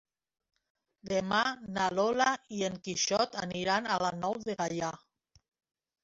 Demà na Lola i en Quixot aniran a la Nou de Gaià.